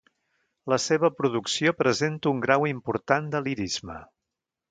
La seva producció presenta un grau important de lirisme.